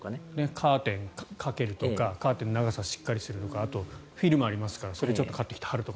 カーテンかけるとかカーテンの長さをしっかりするとかあとはフィルムがありますからそれを買ってきて貼るとか。